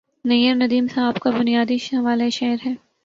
نیّرندیم صاحب کا بنیادی حوالہ شعر ہے